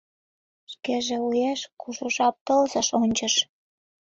Шкеже уэш кужу жап тылзыш ончыш.